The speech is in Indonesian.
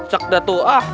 cek datu ah